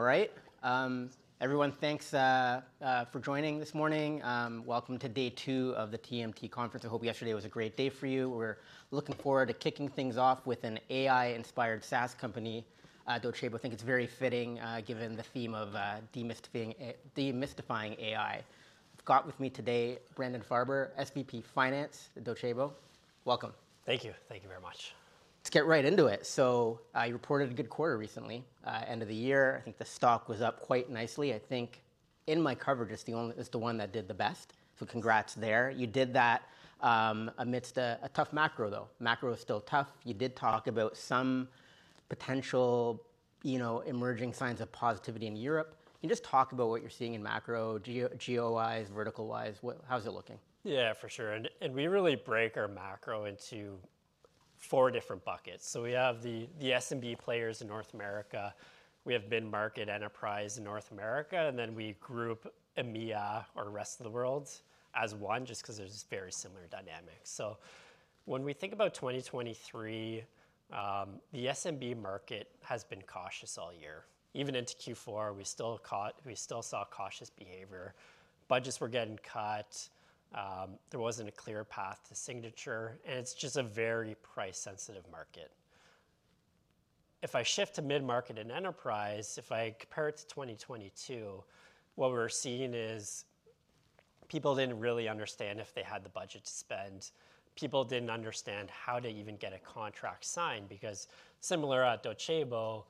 All right, everyone, thanks for joining this morning. Welcome to day two of the TMT Conference. I hope yesterday was a great day for you. We're looking forward to kicking things off with an AI-inspired SaaS company, Docebo. I think it's very fitting, given the theme of demystifying AI. I've got with me today Brandon Farber, SVP Finance at Docebo. Welcome. Thank you. Thank you very much. Let's get right into it. So, you reported a good quarter recently, end of the year. I think the stock was up quite nicely. I think in my coverage it's the only one that did the best, so congrats there. You did that, amidst a tough macro, though. Macro is still tough. You did talk about some potential, you know, emerging signs of positivity in Europe. Can you just talk about what you're seeing in macro, geo-wise, vertical-wise? What? How's it looking? Yeah, for sure. We really break our macro into four different buckets. So we have the SMB players in North America. We have mid-market enterprise in North America, and then we group EMEA or the rest of the world as one, just 'cause there's very similar dynamics. So when we think about 2023, the SMB market has been cautious all year. Even into Q4, we still saw cautious behavior. Budgets were getting cut. There wasn't a clear path to signature, and it's just a very price-sensitive market. If I shift to mid-market and enterprise, if I compare it to 2022, what we're seeing is people didn't really understand if they had the budget to spend. People didn't understand how to even get a contract signed because, similar at Docebo,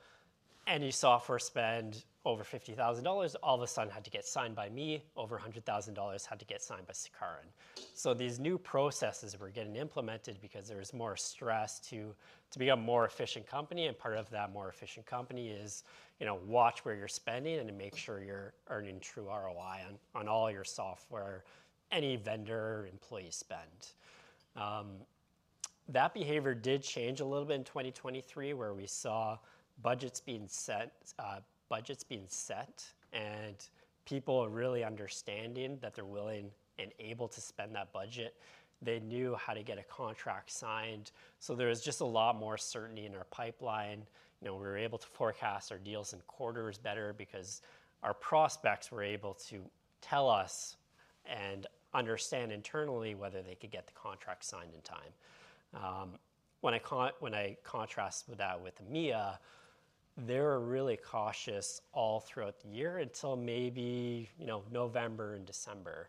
any software spend over $50,000 all of a sudden had to get signed by me. Over $100,000 had to get signed by Sukaran. So these new processes were getting implemented because there was more stress to become a more efficient company. And part of that more efficient company is, you know, watch where you're spending and to make sure you're earning true ROI on all your software, any vendor employee spend. That behavior did change a little bit in 2023 where we saw budgets being set, budgets being set and people really understanding that they're willing and able to spend that budget. They knew how to get a contract signed. So there was just a lot more certainty in our pipeline. You know, we were able to forecast our deals in quarters better because our prospects were able to tell us and understand internally whether they could get the contract signed in time. When I contrast that with EMEA, they were really cautious all throughout the year until maybe, you know, November and December.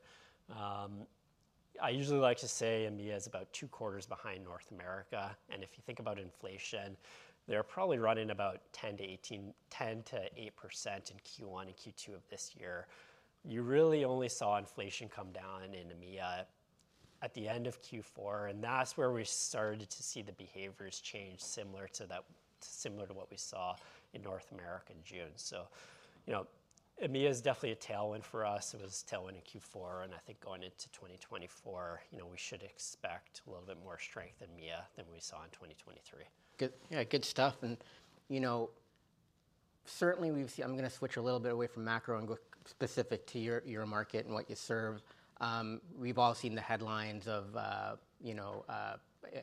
I usually like to say EMEA is about two quarters behind North America. And if you think about inflation, they're probably running about 10%-18%, 10%-8% in Q1 and Q2 of this year. You really only saw inflation come down in EMEA at the end of Q4, and that's where we started to see the behaviors change similar to what we saw in North America in June. So, you know, EMEA is definitely a tailwind for us. It was a tailwind in Q4. And I think going into 2024, you know, we should expect a little bit more strength in EMEA than we saw in 2023. Good. Yeah, good stuff. And, you know, certainly we've seen. I'm gonna switch a little bit away from macro and go specific to your, your market and what you serve. We've all seen the headlines of, you know,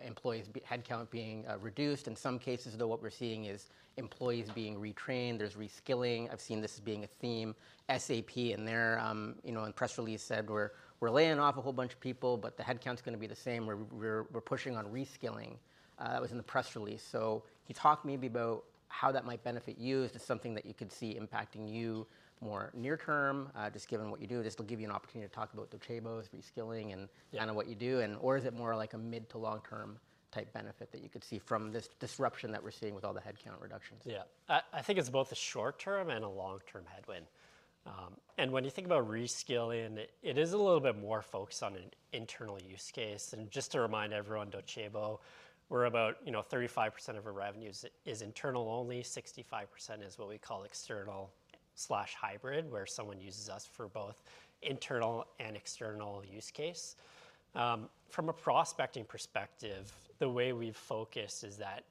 employees, headcount being reduced. In some cases, though, what we're seeing is employees being retrained. There's reskilling. I've seen this being a theme. SAP and their, you know, in press release said, "We're laying off a whole bunch of people, but the headcount's gonna be the same. We're pushing on reskilling." That was in the press release. So can you talk maybe about how that might benefit you? Is this something that you could see impacting you more near term, just given what you do? This'll give you an opportunity to talk about Docebo's reskilling and kind of what you do. Is it more like a mid- to long-term type benefit that you could see from this disruption that we're seeing with all the headcount reductions? Yeah. I, I think it's both a short-term and a long-term headwind. And when you think about reskilling, it is a little bit more focused on an internal use case. And just to remind everyone, Docebo, we're about, you know, 35% of our revenues is internal only. 65% is what we call external/hybrid, where someone uses us for both internal and external use case. From a prospecting perspective, the way we've focused is that,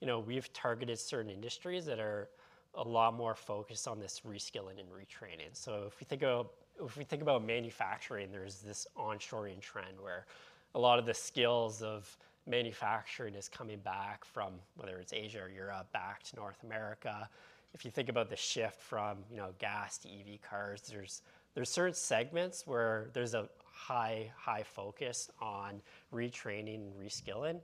you know, we've targeted certain industries that are a lot more focused on this reskilling and retraining. So if we think about manufacturing, there's this onshoring trend where a lot of the skills of manufacturing is coming back from whether it's Asia or Europe, back to North America. If you think about the shift from, you know, gas to EV cars, there's certain segments where there's a high focus on retraining and reskilling.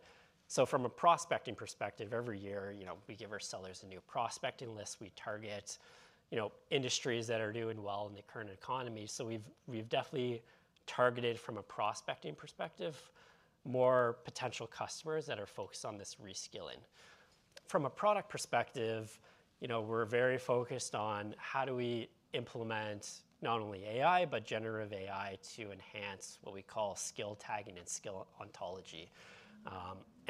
So from a prospecting perspective, every year, you know, we give our sellers a new prospecting list. We target, you know, industries that are doing well in the current economy. So we've definitely targeted, from a prospecting perspective, more potential customers that are focused on this reskilling. From a product perspective, you know, we're very focused on how do we implement not only AI but generative AI to enhance what we call skill tagging and skill ontology.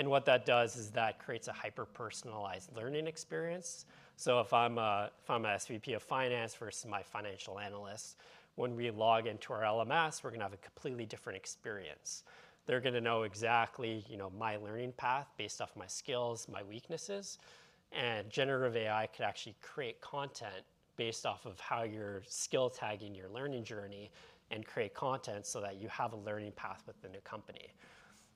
And what that does is that creates a hyper-personalized learning experience. So if I'm an SVP of Finance versus my financial analyst, when we log into our LMS, we're gonna have a completely different experience. They're gonna know exactly, you know, my learning path based off my skills, my weaknesses. And generative AI could actually create content based off of how you're skill tagging your learning journey and create content so that you have a learning path with the new company.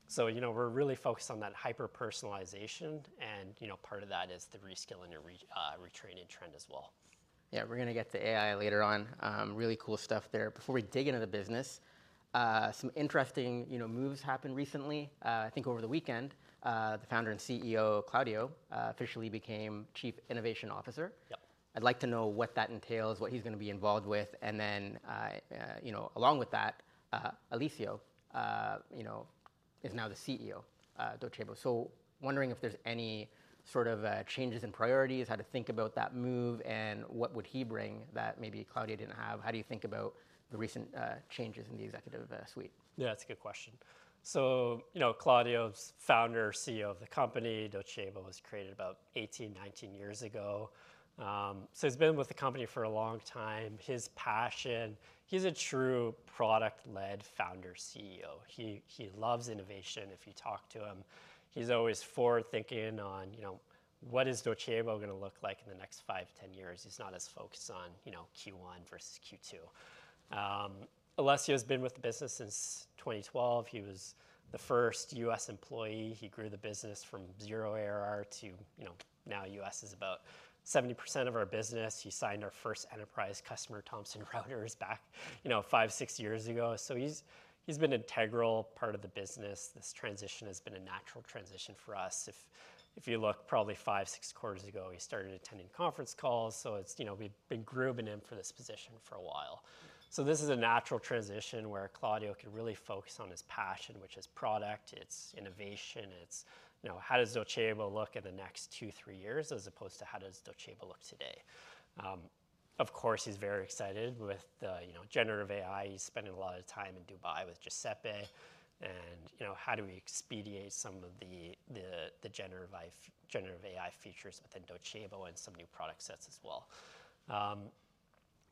So, you know, we're really focused on that hyper-personalization. And, you know, part of that is the reskilling and retraining trend as well. Yeah. We're gonna get to AI later on. Really cool stuff there. Before we dig into the business, some interesting, you know, moves happened recently. I think over the weekend, the founder and CEO, Claudio, officially became Chief Innovation Officer. Yep. I'd like to know what that entails, what he's gonna be involved with. And then, you know, along with that, Alessio, you know, is now the CEO, Docebo. So wondering if there's any sort of changes in priorities, how to think about that move, and what would he bring that maybe Claudio didn't have. How do you think about the recent changes in the executive suite? Yeah, that's a good question. So, you know, Claudio's founder and CEO of the company, Docebo, was created about 18-19 years ago. So he's been with the company for a long time. His passion he's a true product-led founder and CEO. He, he loves innovation. If you talk to him, he's always forward-thinking on, you know, what is Docebo gonna look like in the next 5-10 years. He's not as focused on, you know, Q1 versus Q2. Alessio's been with the business since 2012. He was the first U.S. employee. He grew the business from 0 ARR to, you know, now U.S. is about 70% of our business. He signed our first enterprise customer, Thomson Reuters, back, you know, 5-6 years ago. So he's, he's been an integral part of the business. This transition has been a natural transition for us. If you look, probably 5, 6 quarters ago, he started attending conference calls. So it's, you know, we've been grooving him for this position for a while. So this is a natural transition where Claudio could really focus on his passion, which is product. It's innovation. It's, you know, how does Docebo look in the next 2, 3 years as opposed to how does Docebo look today? Of course, he's very excited with the, you know, generative AI. He's spending a lot of time in Dubai with Giuseppe. And, you know, how do we expedite some of the generative AI features within Docebo and some new product sets as well?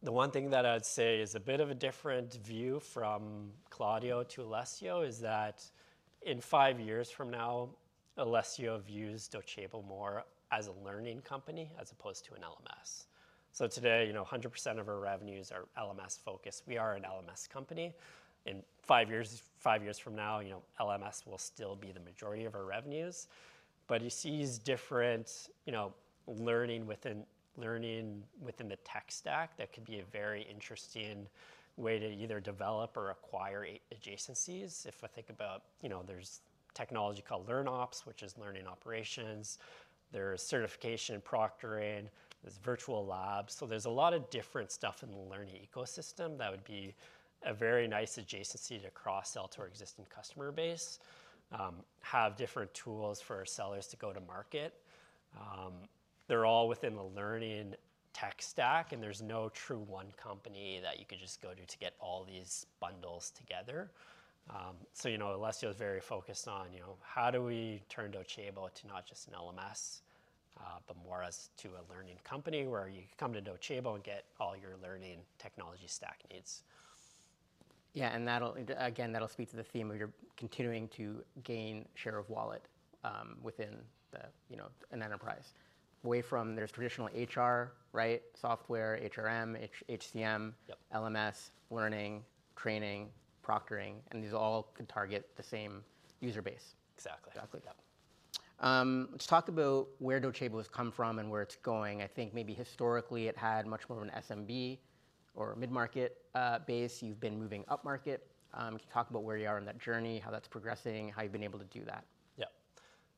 The one thing that I'd say is a bit of a different view from Claudio to Alessio is that in five years from now, Alessio views Docebo more as a learning company as opposed to an LMS. So today, you know, 100% of our revenues are LMS-focused. We are an LMS company. In five years, five years from now, you know, LMS will still be the majority of our revenues. But he sees different, you know, learning within learning within the tech stack that could be a very interesting way to either develop or acquire adjacencies. If I think about, you know, there's technology called LearnOps, which is learning operations. There's certification and proctoring. There's virtual labs. So there's a lot of different stuff in the learning ecosystem that would be a very nice adjacency to cross-sell to our existing customer base, have different tools for our sellers to go to market. They're all within the learning tech stack, and there's no true one company that you could just go to to get all these bundles together. So, you know, Alessio's very focused on, you know, how do we turn Docebo to not just an LMS, but more as to a learning company where you can come to Docebo and get all your learning technology stack needs? Yeah. And that'll again, that'll speak to the theme of your continuing to gain share of wallet, within the, you know, an enterprise, away from their traditional HR, right, software, HRM, HCM, LMS, learning, training, proctoring. And these all could target the same user base. Exactly. Exactly. Yep. Let's talk about where Docebo has come from and where it's going. I think maybe historically, it had much more of an SMB or mid-market base. You've been moving up market. Can you talk about where you are on that journey, how that's progressing, how you've been able to do that?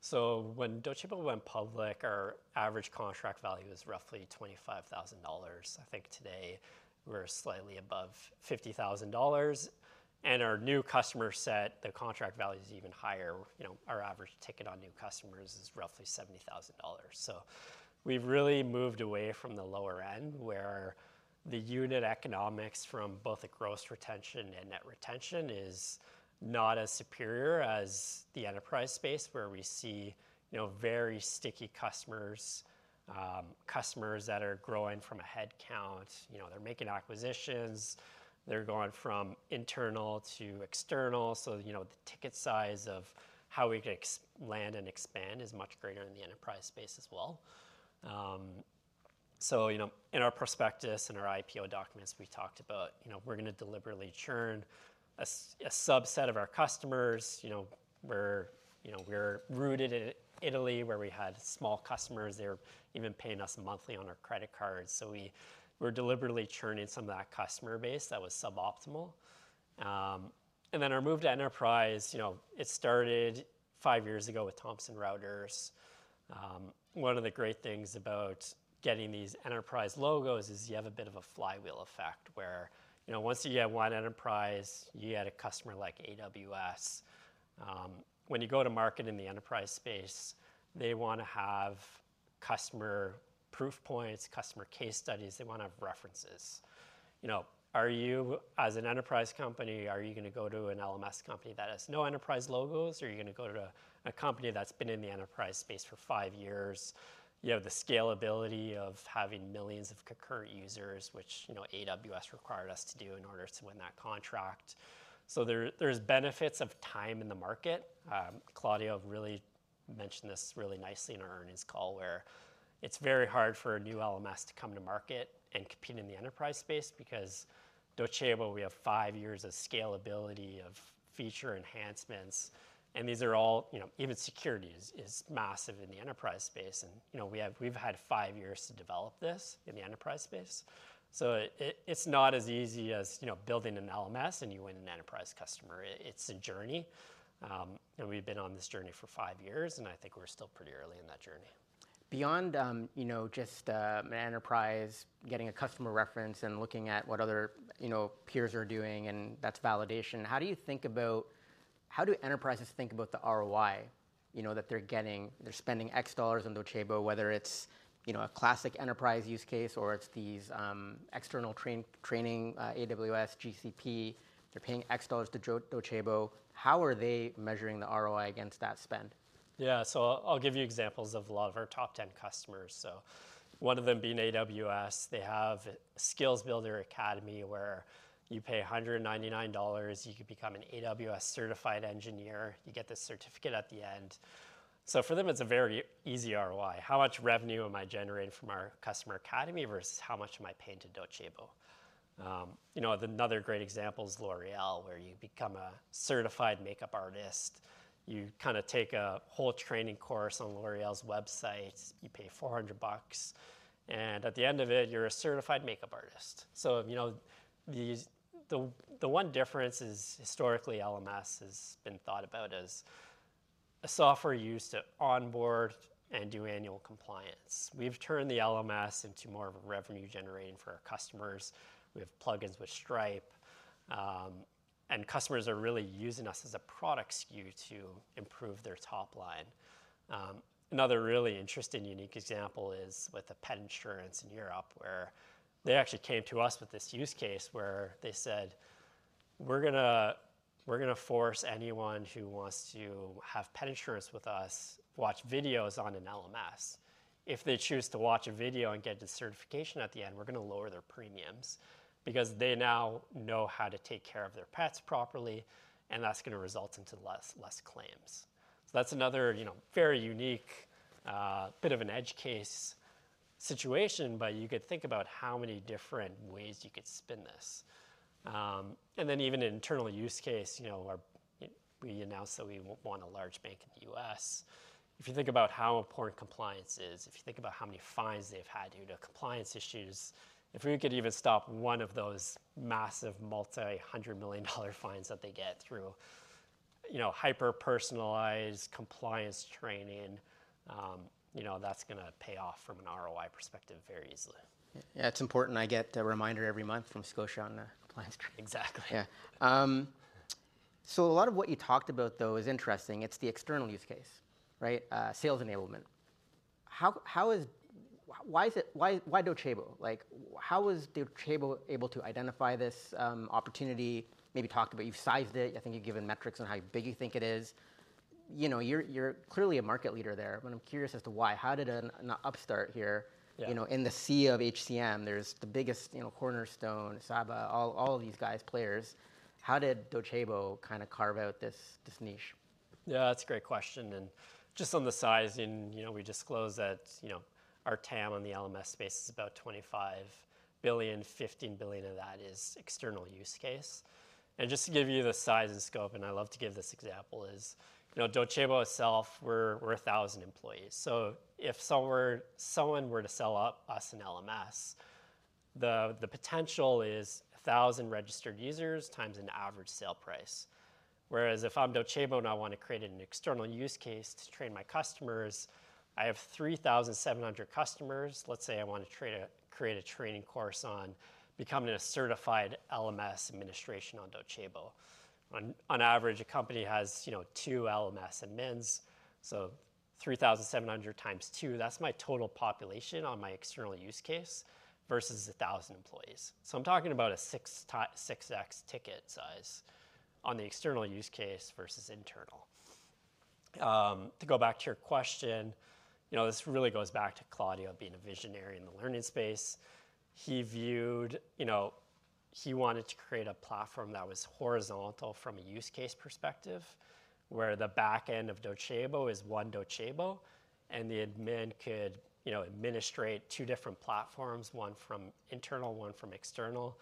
Yep. So when Docebo went public, our average contract value is roughly $25,000. I think today, we're slightly above $50,000. And our new customer set, the contract value's even higher. You know, our average ticket on new customers is roughly $70,000. So we've really moved away from the lower end where the unit economics from both the gross retention and net retention is not as superior as the enterprise space where we see, you know, very sticky customers, customers that are growing from a headcount. You know, they're making acquisitions. They're going from internal to external. So, you know, the ticket size of how we could land and expand is much greater in the enterprise space as well. So, you know, in our prospectus and our IPO documents, we talked about, you know, we're gonna deliberately churn as a subset of our customers. You know, we're, you know, we're rooted in Italy where we had small customers. They were even paying us monthly on our credit cards. So we were deliberately churning some of that customer base that was suboptimal. And then our move to enterprise, you know, it started five years ago with Thomson Reuters. One of the great things about getting these enterprise logos is you have a bit of a flywheel effect where, you know, once you get one enterprise, you get a customer like AWS. When you go to market in the enterprise space, they wanna have customer proof points, customer case studies. They wanna have references. You know, are you, as an enterprise company, are you gonna go to an LMS company that has no enterprise logos, or are you gonna go to a company that's been in the enterprise space for five years? You have the scalability of having millions of concurrent users, which, you know, AWS required us to do in order to win that contract. So there, there's benefits of time in the market. Claudio have really mentioned this really nicely in our earnings call where it's very hard for a new LMS to come to market and compete in the enterprise space because Docebo, we have five years of scalability of feature enhancements. And these are all, you know, even security is massive in the enterprise space. And, you know, we've had five years to develop this in the enterprise space. So it, it's not as easy as, you know, building an LMS and you win an enterprise customer. It's a journey. And we've been on this journey for five years, and I think we're still pretty early in that journey. Beyond, you know, just an enterprise getting a customer reference and looking at what other, you know, peers are doing, and that's validation, how do you think about how do enterprises think about the ROI, you know, that they're getting? They're spending X dollars on Docebo, whether it's, you know, a classic enterprise use case or it's these external training, AWS, GCP. They're paying X dollars to Docebo. How are they measuring the ROI against that spend? Yeah. So I'll give you examples of a lot of our top 10 customers. So one of them being AWS. They have Skills Builder Academy where you pay $199. You could become an AWS certified engineer. You get this certificate at the end. So for them, it's a very easy ROI. How much revenue am I generating from our customer academy versus how much am I paying to Docebo? You know, another great example is L'Oréal where you become a certified makeup artist. You kinda take a whole training course on L'Oréal's website. You pay $400. And at the end of it, you're a certified makeup artist. So, you know, the one difference is historically, LMS has been thought about as a software used to onboard and do annual compliance. We've turned the LMS into more of a revenue generator for our customers. We have plugins with Stripe. Customers are really using us as a product SKU to improve their top line. Another really interesting, unique example is with a pet insurance in Europe where they actually came to us with this use case where they said, "We're gonna we're gonna force anyone who wants to have pet insurance with us watch videos on an LMS. If they choose to watch a video and get the certification at the end, we're gonna lower their premiums because they now know how to take care of their pets properly, and that's gonna result into less, less claims." So that's another, you know, very unique, bit of an edge case situation. But you could think about how many different ways you could spin this. Then even an internal use case, you know, we announced that we want a large bank in the US. If you think about how important compliance is, if you think about how many fines they've had due to compliance issues, if we could even stop one of those massive multi-hundred-million-dollar fines that they get through, you know, hyper-personalized compliance training, you know, that's gonna pay off from an ROI perspective very easily. Yeah. It's important. I get a reminder every month from Scotia on the compliance training. Exactly. Yeah. So a lot of what you talked about, though, is interesting. It's the external use case, right, sales enablement. How is it why Docebo? Like, how was Docebo able to identify this opportunity? Maybe you've talked about you've sized it. I think you've given metrics on how big you think it is. You know, you're clearly a market leader there. But I'm curious as to why. How did an upstart here, you know, in the sea of HCM, there's the biggest, you know, Cornerstone, Saba, all of these guys, players. How did Docebo kinda carve out this niche? Yeah. That's a great question. And just on the sizing, you know, we disclosed that, you know, our TAM on the LMS space is about $25 billion. $15 billion of that is external use case. And just to give you the size and scope - and I love to give this example - is, you know, Docebo itself, we're 1,000 employees. So if someone were to sell to us an LMS, the potential is 1,000 registered users times an average sale price. Whereas if I'm Docebo and I wanna create an external use case to train my customers, I have 3,700 customers. Let's say I wanna train to create a training course on becoming a certified LMS administrator on Docebo. On average, a company has, you know, two LMS admins. So 3,700 times two, that's my total population on my external use case versus 1,000 employees. So I'm talking about a 6x ticket size on the external use case versus internal. To go back to your question, you know, this really goes back to Claudio being a visionary in the learning space. He viewed, you know, he wanted to create a platform that was horizontal from a use case perspective where the back end of Docebo is one Docebo, and the admin could, you know, administrate two different platforms, one from internal, one from external,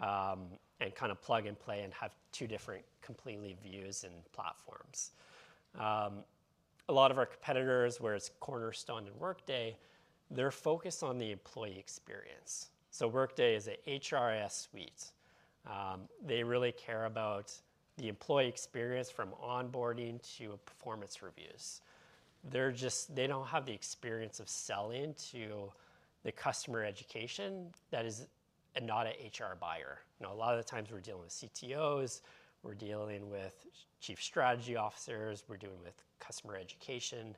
and kinda plug and play and have two different completely views and platforms. A lot of our competitors, where it's Cornerstone and Workday, they're focused on the employee experience. So Workday is a HRIS suite. They really care about the employee experience from onboarding to performance reviews. They're just. They don't have the experience of selling to the customer education that is and not a HR buyer. You know, a lot of the times, we're dealing with CTOs. We're dealing with chief strategy officers. We're dealing with customer education.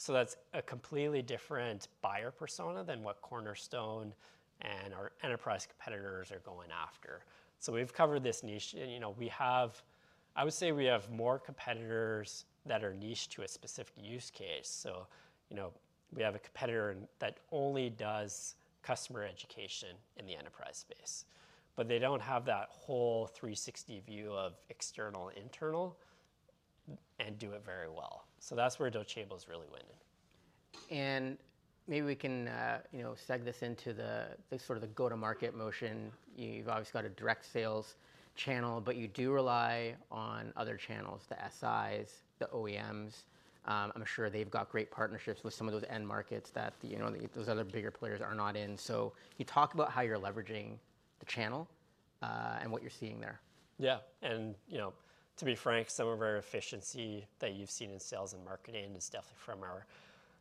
So that's a completely different buyer persona than what Cornerstone and our enterprise competitors are going after. So we've covered this niche. And, you know, we have I would say we have more competitors that are niched to a specific use case. So, you know, we have a competitor that only does customer education in the enterprise space. But they don't have that whole 360 view of external, internal, and do it very well. So that's where Docebo's really winning. Maybe we can, you know, segue this into the sort of the go-to-market motion. You've obviously got a direct sales channel, but you do rely on other channels, the SIs, the OEMs. I'm sure they've got great partnerships with some of those end markets that, you know, those other bigger players are not in. So can you talk about how you're leveraging the channel, and what you're seeing there? Yeah. And, you know, to be frank, some of our efficiency that you've seen in sales and marketing is definitely from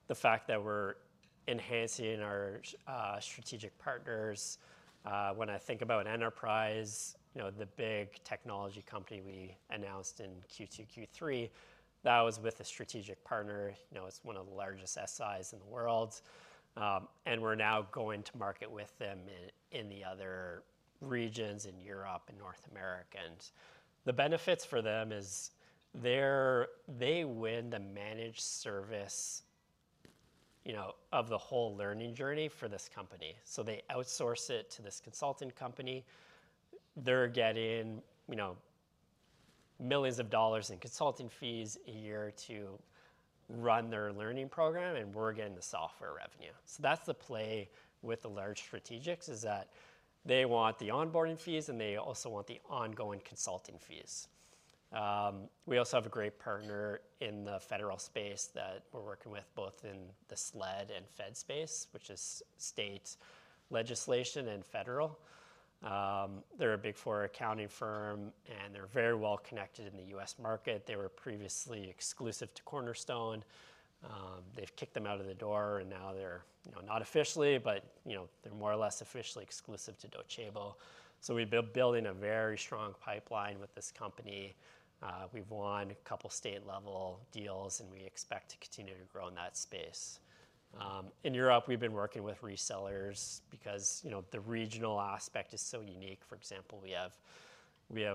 the fact that we're enhancing our strategic partners. When I think about enterprise, you know, the big technology company we announced in Q2, Q3, that was with a strategic partner. You know, it's one of the largest SIs in the world, and we're now going to market with them in the other regions in Europe and North America. And the benefits for them is they're they win the managed service, you know, of the whole learning journey for this company. So they outsource it to this consulting company. They're getting, you know, $ millions in consulting fees a year to run their learning program, and we're getting the software revenue. So that's the play with the large strategics is that they want the onboarding fees, and they also want the ongoing consulting fees. We also have a great partner in the federal space that we're working with both in the SLED and Fed space, which is state legislation and federal. They're a Big Four accounting firm, and they're very well connected in the U.S. market. They were previously exclusive to Cornerstone. They've kicked them out of the door, and now they're, you know, not officially, but, you know, they're more or less officially exclusive to Docebo. So we've been building a very strong pipeline with this company. We've won a couple state-level deals, and we expect to continue to grow in that space. In Europe, we've been working with resellers because, you know, the regional aspect is so unique. For example, we have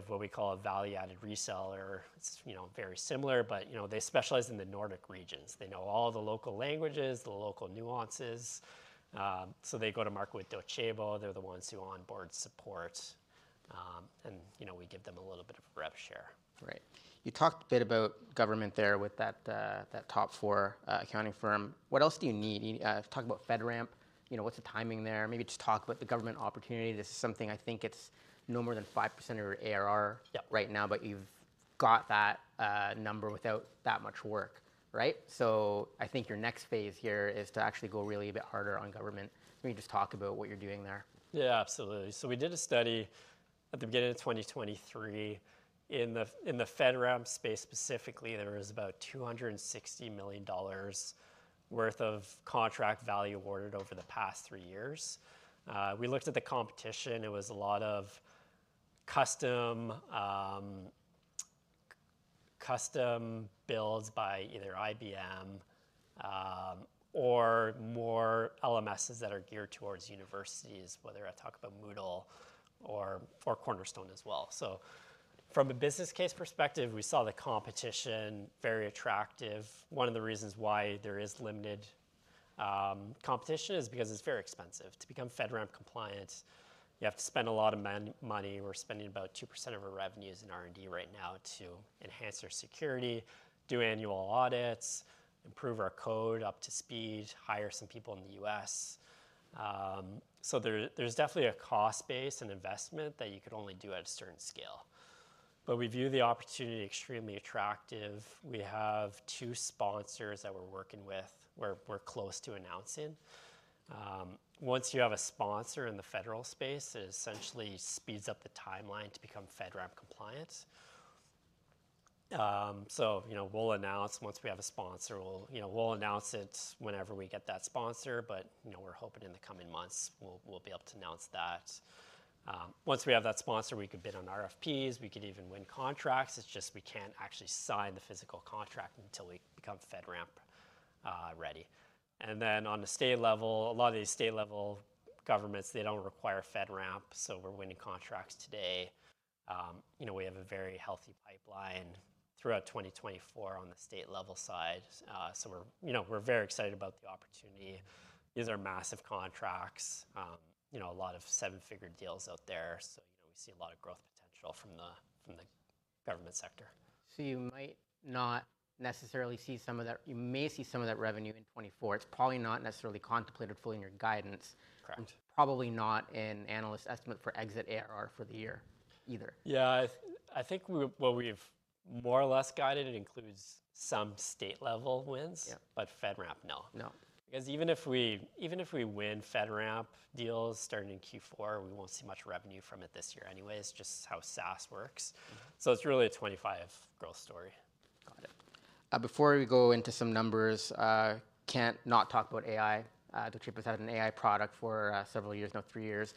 what we call a value-added reseller. It's, you know, very similar. But, you know, they specialize in the Nordic regions. They know all the local languages, the local nuances. So they go to market with Docebo. They're the ones who onboard support. And, you know, we give them a little bit of a rep share. Right. You talked a bit about government there with that top four accounting firm. What else do you need? You talked about FedRAMP. You know, what's the timing there? Maybe just talk about the government opportunity. This is something I think it's no more than 5% of your ARR. Yeah. Right now, but you've got that number without that much work, right? So I think your next phase here is to actually go really a bit harder on government. Maybe just talk about what you're doing there. Yeah. Absolutely. So we did a study at the beginning of 2023. In the FedRAMP space specifically, there was about $260 million worth of contract value awarded over the past three years. We looked at the competition. It was a lot of custom builds by either IBM, or more LMSs that are geared towards universities, whether I talk about Moodle or Cornerstone as well. So from a business case perspective, we saw the competition very attractive. One of the reasons why there is limited competition is because it's very expensive. To become FedRAMP compliant, you have to spend a lot of money. We're spending about 2% of our revenues in R&D right now to enhance our security, do annual audits, improve our code up to speed, hire some people in the US. So there's definitely a cost base and investment that you could only do at a certain scale. But we view the opportunity extremely attractive. We have two sponsors that we're working with. We're close to announcing. Once you have a sponsor in the federal space, it essentially speeds up the timeline to become FedRAMP compliant. So, you know, we'll announce once we have a sponsor. We'll, you know, announce it whenever we get that sponsor. But, you know, we're hoping in the coming months, we'll be able to announce that. Once we have that sponsor, we could bid on RFPs. We could even win contracts. It's just we can't actually sign the physical contract until we become FedRAMP-ready. And then on the state level, a lot of these state-level governments, they don't require FedRAMP. So we're winning contracts today. You know, we have a very healthy pipeline throughout 2024 on the state-level side. So we're, you know, we're very excited about the opportunity. These are massive contracts, you know, a lot of seven-figure deals out there. So, you know, we see a lot of growth potential from the government sector. So you might not necessarily see some of that. You may see some of that revenue in 2024. It's probably not necessarily contemplated fully in your guidance. Correct. Probably not in analyst estimate for exit ARR for the year either. Yeah. I think, well, we've more or less guided it. It includes some state-level wins. Yeah. But FedRAMP, no. No. Because even if we win FedRAMP deals starting in Q4, we won't see much revenue from it this year anyway. It's just how SaaS works. So it's really a 25-growth story. Got it. Before we go into some numbers, can't not talk about AI. Docebo's had an AI product for several years, now 3 years.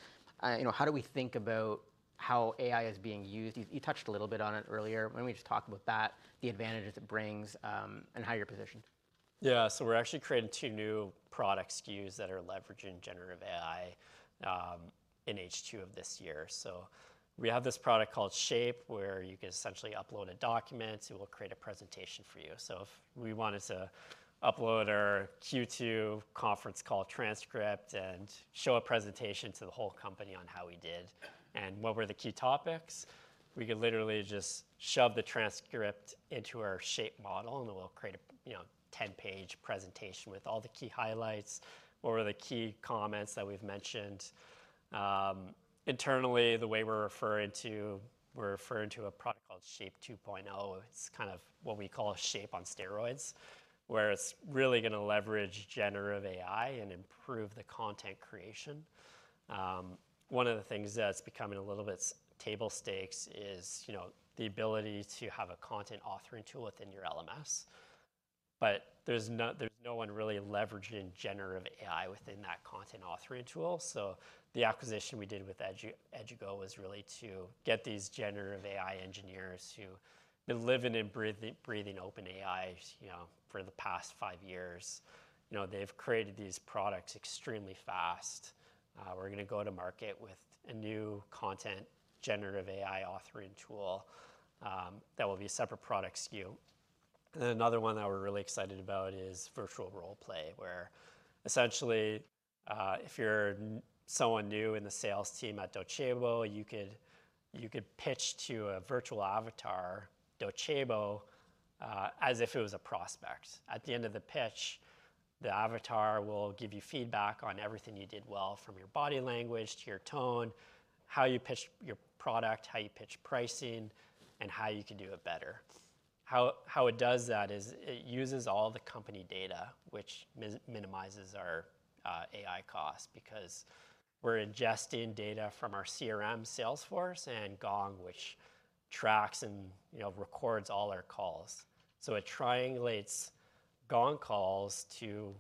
You know, how do we think about how AI is being used? You, you touched a little bit on it earlier. Let me just talk about that, the advantages it brings, and how you're positioned. Yeah. So we're actually creating two new product SKUs that are leveraging generative AI, in H2 of this year. So we have this product called Shape where you could essentially upload a document. It will create a presentation for you. So if we wanted to upload our Q2 conference call transcript and show a presentation to the whole company on how we did and what were the key topics, we could literally just shove the transcript into our Shape model, and it will create a, you know, 10-page presentation with all the key highlights, what were the key comments that we've mentioned. Internally, the way we're referring to we're referring to a product called Shape 2.0. It's kind of what we call Shape on steroids, where it's really gonna leverage generative AI and improve the content creation. One of the things that's becoming a little bit table stakes is, you know, the ability to have a content authoring tool within your LMS. But there's no one really leveraging generative AI within that content authoring tool. So the acquisition we did with Edugo, Edugo was really to get these generative AI engineers who've been living and breathing OpenAI, you know, for the past five years. You know, they've created these products extremely fast. We're gonna go to market with a new content generative AI authoring tool, that will be a separate product SKU. And then another one that we're really excited about is virtual role-play where, essentially, if you're someone new in the sales team at Docebo, you could pitch to a virtual avatar Docebo, as if it was a prospect. At the end of the pitch, the avatar will give you feedback on everything you did well, from your body language to your tone, how you pitched your product, how you pitched pricing, and how you could do it better. How it does that is it uses all the company data, which minimizes our AI costs because we're ingesting data from our CRM, Salesforce, and Gong, which tracks and, you know, records all our calls. So it triangulates Gong calls to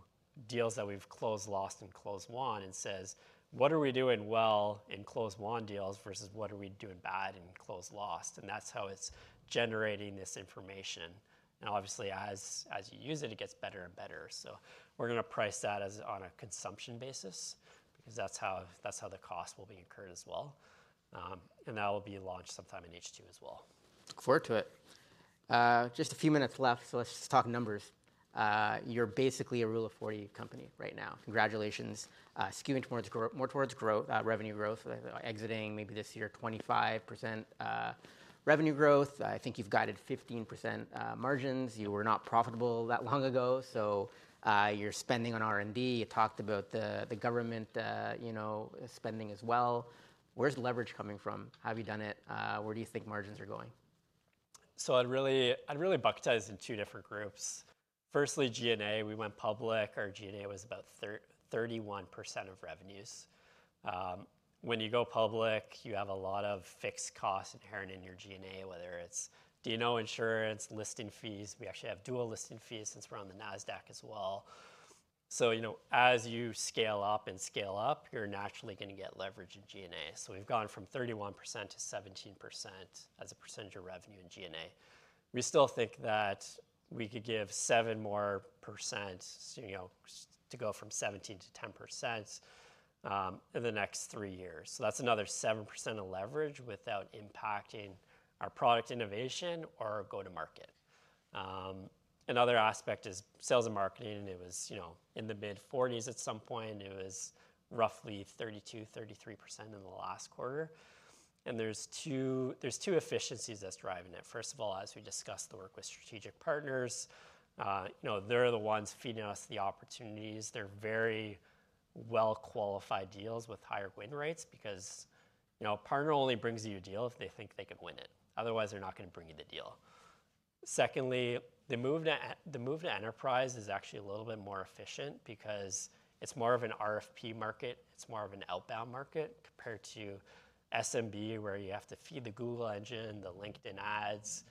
deals that we've closed lost and closed won and says, "What are we doing well in closed-won deals versus what are we doing bad in closed-lost?" And that's how it's generating this information. And obviously, as you use it, it gets better and better. So we're gonna price that as on a consumption basis because that's how the cost will be incurred as well and that will be launched sometime in H2 as well. Look forward to it. Just a few minutes left, so let's just talk numbers. You're basically a Rule of 40 company right now. Congratulations. Skewing towards growth, more towards revenue growth. Expecting, maybe this year, 25% revenue growth. I think you've guided 15% margins. You were not profitable that long ago. So, you're spending on R&D. You talked about the, the government, you know, spending as well. Where's the leverage coming from? How have you done it? Where do you think margins are going? So I'd really bucketize it in two different groups. Firstly, G&A. We went public. Our G&A was about 30%-31% of revenues. When you go public, you have a lot of fixed costs inherent in your G&A, whether it's D&O insurance, listing fees. We actually have dual listing fees since we're on the NASDAQ as well. So, you know, as you scale up and scale up, you're naturally gonna get leverage in G&A. So we've gone from 31% to 17% as a percentage of revenue in G&A. We still think that we could give 7 more percent, you know, to go from 17%-10%, in the next three years. So that's another 7% of leverage without impacting our product innovation or our go-to-market. Another aspect is sales and marketing. It was, you know, in the mid-40s% at some point. It was roughly 32%-33% in the last quarter. There's two efficiencies that's driving it. First of all, as we discussed the work with strategic partners, you know, they're the ones feeding us the opportunities. They're very well-qualified deals with higher win rates because, you know, a partner only brings you a deal if they think they can win it. Otherwise, they're not gonna bring you the deal. Secondly, the move to enterprise is actually a little bit more efficient because it's more of an RFP market. It's more of an outbound market compared to SMB where you have to feed the Google engine, the LinkedIn ads.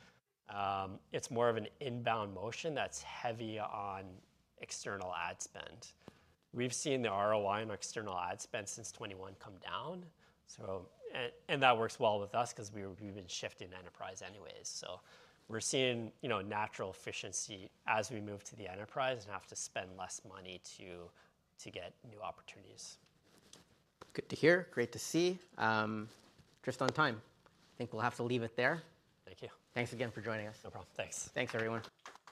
It's more of an inbound motion that's heavy on external ad spend. We've seen the ROI on our external ad spend since 2021 come down. And that works well with us 'cause we've been shifting enterprise anyways. So we're seeing, you know, natural efficiency as we move to the enterprise and have to spend less money to get new opportunities. Good to hear. Great to see. Right on time. I think we'll have to leave it there. Thank you. Thanks again for joining us. No problem. Thanks. Thanks, everyone.